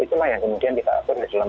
itulah yang kemudian diatur dalam